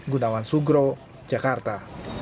gunawan sugro jakarta